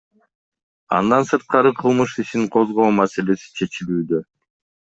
Андан сырткары кылмыш ишин козгоо маселеси чечилүүдө.